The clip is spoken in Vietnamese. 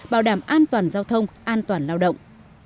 bảo đảm an toàn giao thông an toàn lao động